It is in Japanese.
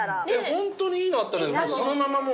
ホントにいいのあったらそのまま。